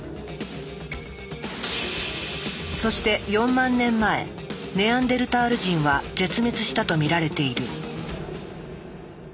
そして４万年前ネアンデルタール人は絶滅したとみられている。